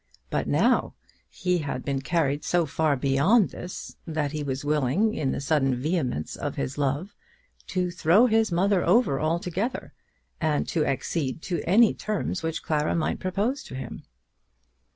But now, he had been carried so far beyond this, that he was willing, in the sudden vehemence of his love, to throw his mother over altogether, and to accede to any terms which Clara might propose to him.